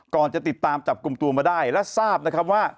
ก่อนจะติดตามจับกลุ่มตัวมาได้และทราบว่า